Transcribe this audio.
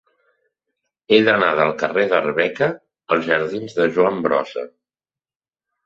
He d'anar del carrer d'Arbeca als jardins de Joan Brossa.